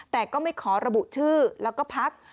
แต่ก็ไม่ขอระบุชื่อแล้วก็พัก